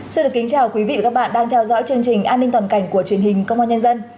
xin được kính chào quý vị và các bạn đang theo dõi chương trình an ninh toàn cảnh của truyền hình công an nhân dân